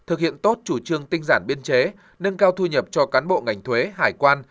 thực hiện tốt chủ trương tinh giản biên chế nâng cao thu nhập cho cán bộ ngành thuế hải quan